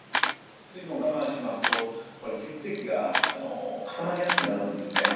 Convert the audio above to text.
水分を我慢しますと血液が固まりやすくなるんですね。